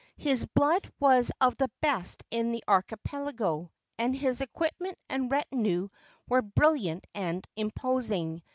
His blood was of the best in the archipelago, and his equipment and retinue were brilliant and imposing.